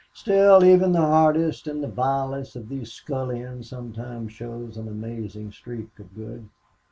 Still, even the hardest and vilest of these scullions sometimes shows an amazing streak of good.